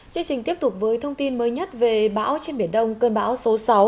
chương trình tiếp tục với thông tin mới nhất về bão trên biển đông cơn bão số sáu